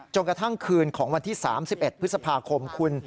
กระทั่งคืนของวันที่๓๑พฤษภาคมคุณ